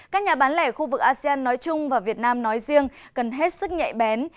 các nhà bán lẻ khu vực asean nói chung và việt nam nói riêng cần hết sức nhạy bén